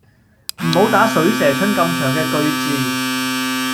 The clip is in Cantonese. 唔好打水蛇春咁長嘅句字